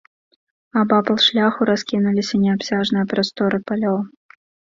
Абапал шляху раскінуліся неабсяжныя прасторы палёў.